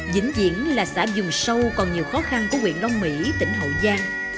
dĩ nhiên là xã dùng sâu còn nhiều khó khăn của huyện long mỹ tỉnh hậu giang